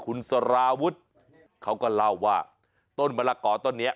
คุณสารวุฒิเขาก็เล่าว่าต้นมะละกอต้นนี้